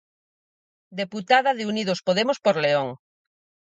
Deputada de Unidos Podemos por León.